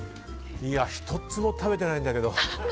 １つも食べてないんだけど。